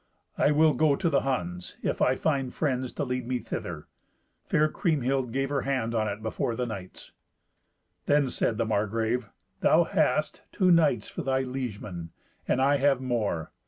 I will go to the Huns, if I find friends to lead me thither." Fair Kriemhild gave her hand on it before the knights. Then said the Margrave, "Thou hast two knights for thy liegemen, and I have more.